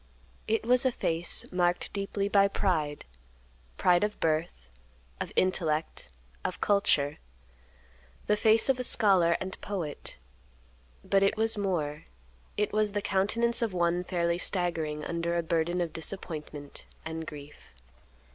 It was a face marked deeply by pride; pride of birth, of intellect, of culture; the face of a scholar and poet; but it was more—it was the countenance of one fairly staggering under a burden of disappointment and grief.